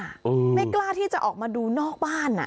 ไม่กล้าที่จะออกมาดูนอกบ้านอ่ะ